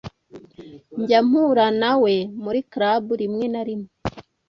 Njya mpura nawe muri club rimwe na rimwe.